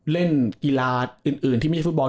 เล่นกีฬาอื่นที่ไม่ใช่ฟุตบอล